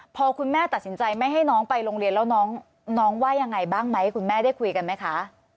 พอคุณแม่ตัดสินใจไม่ให้น้องไปโรงเรียนแล้วน้องว่ายังไงบ้างไหมคุณแม่ได้คุยกันไหมคะ